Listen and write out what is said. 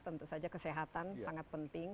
tentu saja kesehatan sangat penting